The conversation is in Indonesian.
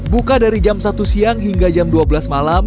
buka dari jam satu siang hingga jam dua belas malam